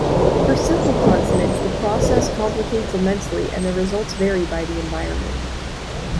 For simple consonants, the process complicates immensely and the results vary by the environment.